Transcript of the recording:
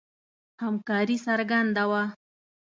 همکاري څرګنده وه.